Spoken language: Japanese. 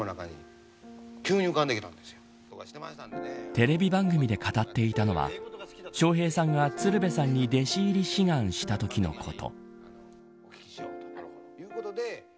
テレビ番組で語っていたのは笑瓶さんが鶴瓶さんに弟子入り志願したときのこと。